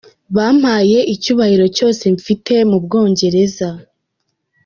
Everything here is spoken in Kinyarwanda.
"Bampaye icyubahiro cyose mfite mu Bwongereza.